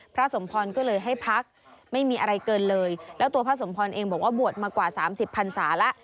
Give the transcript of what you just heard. พระสมพรก็เลยให้พักไม่มีอะไรเกินเลยแล้วตัวพระสมพรเองบอกว่าบวชมากว่าสามสิบพันศาแล้ว